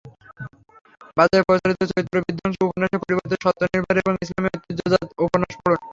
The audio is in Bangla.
বাজারের প্রচলিত চরিত্রবিধ্বংসী উপন্যাসের পরিবর্তে সত্যনির্ভর এবং ইসলামী ঐতিহ্যজাত উপন্যাস পড়ুন।